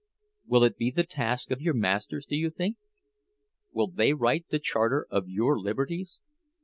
Will it be the task of your masters, do you think—will they write the charter of your liberties?